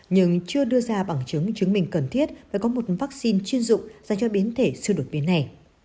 nhưng chưa đưa ra bằng chứng chứng minh cần thiết và có một vaccine chuyên dụng dành cho biến thể siêu đột biến này